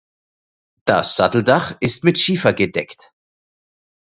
Das Satteldach ist mit Schiefer gedeckt.